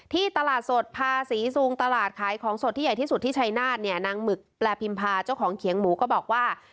ที่ตลาดสดภาษีซูงตลาดขายของสดที่ใหญ่ที่สุดที่ชายนาฏเนี่ยนางหมึกแปรพิมพาเจ้าของเขียงหมูก็บอกว่า